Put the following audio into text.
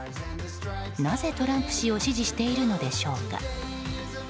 なぜトランプ氏を支持しているのでしょうか。